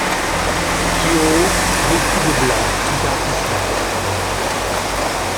Kyoo vêtue de blanc y participe.